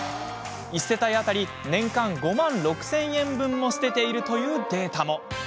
１世帯当たり年間５万６０００円分も捨てているというデータも。